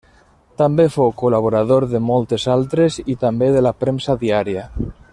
També fou col·laborador de moltes altres i també de la premsa diària.